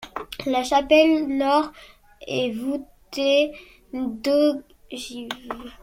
La chapelle nord est voûtée d’ogives.